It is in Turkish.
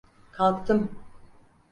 Kalktım.